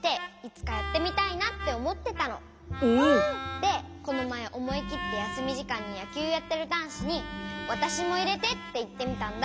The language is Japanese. でこのまえおもいきってやすみじかんにやきゅうやってるだんしに「わたしもいれて」っていってみたんだ。